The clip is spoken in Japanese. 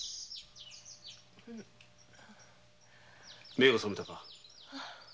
目が覚めたか？